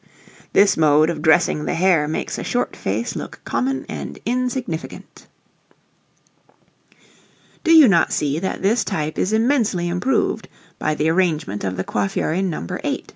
This mode of dressing the hair makes a short face look common and insignificant. [Illustration: NO. 7] Do you not see that this type is immensely improved by the arrangement of the coiffure in No. 8?